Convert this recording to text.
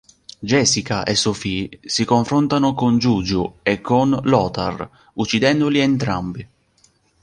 Jessica e Sophie si confrontano con Juju e con Lothar uccidendoli entrambi.